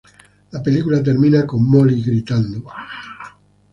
La película termina con Molly gritando.